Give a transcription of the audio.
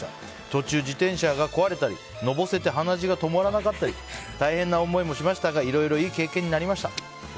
途中、自転車が壊れたりのぼせて鼻血が止まらなかったり大変な思いもしましたがいろいろいい経験になりました。